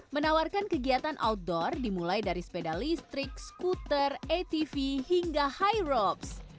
menawarkan kegiatan outdoor dimulai dari sepeda listrik skuter atv hingga high robs